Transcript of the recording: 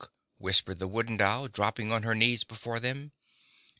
whispered the Wooden Doll, dropping on her knees before them.